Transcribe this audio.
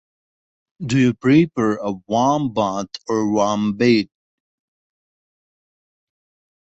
Do you prefer a warm bath or a warm bed?